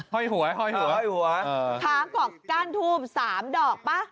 ห้อยหัวห้อยหัวห้อยหัวขาเกาะก้านทูบ๓ดอกป่ะ